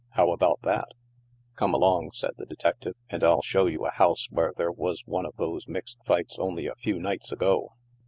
How about that ?"'; Come along," said the detective, " and ill show you a bouse where there was one of those mixed fights only a few nights ago."